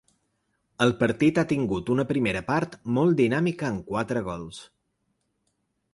El partit ha tingut una primera part molt dinàmica amb quatre gols.